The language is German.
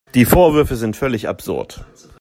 Die Vorwürfe sind völlig absurd.